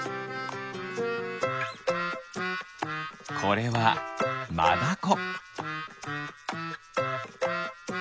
これはマダコ。